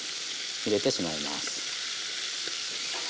入れてしまいます。